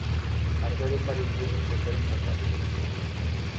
Arderon varios lumes pequenos na casa?